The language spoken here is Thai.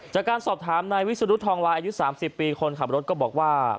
จากการสอบถามนายวิสุรุธทองวายอายุ๓๐ปีคนขับรถก็บอกว่า